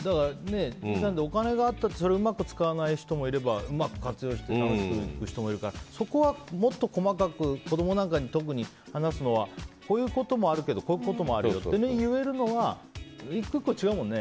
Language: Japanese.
お金があってもそれをうまく使わない人もいればうまく活用して楽しくいく人もいればそこはもっと細かく子供なんかに特に話すのはこういうこともあるけどこういうこともあるよって言えるのは１個１個違うもんね。